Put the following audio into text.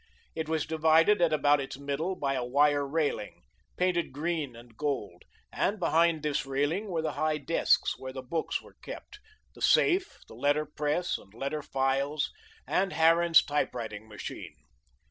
It was divided at about its middle by a wire railing, painted green and gold, and behind this railing were the high desks where the books were kept, the safe, the letter press and letter files, and Harran's typewriting machine.